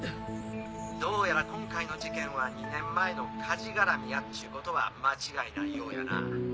どうやら今回の事件は２年前の火事がらみやっちゅうことは間違いないようやな。